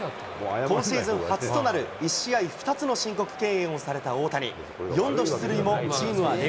今シーズン初となる１試合２つの申告敬遠をされた大谷。